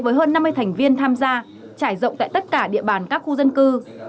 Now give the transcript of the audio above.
với hơn năm mươi thành viên tham gia trải rộng tại tất cả địa bàn các khu dân cư